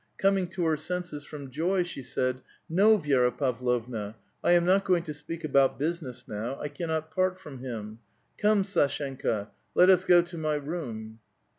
Coming to her senses from joy, she said :'' No, Vi<3ra Pav lovna, I am not going to speak about business now ; I cannot part from him. Come, Sdshenka, let us go to my room."